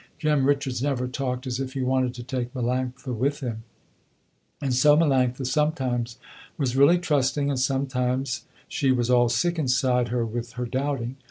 Jem Richards never talked as if he wanted to take Melanctha with him. And so Melanctha sometimes was really trusting, and sometimes she was all sick inside her with her doubting.